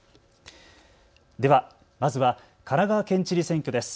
ではまずは神奈川県知事選挙です。